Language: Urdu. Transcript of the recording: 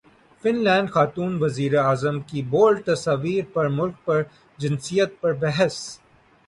فن لینڈ خاتون وزیراعظم کی بولڈ تصاویر پر ملک میں جنسیت پر بحث